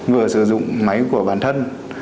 vừa sử dụng máy của bản thân